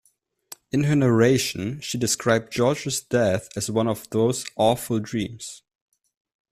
In her narration she describes George's death as one of those awful dreams.